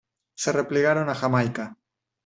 Se replegaron a Jamaica.